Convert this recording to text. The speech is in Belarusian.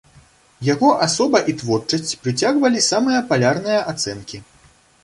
Яго асоба і творчасць прыцягвалі самыя палярныя ацэнкі.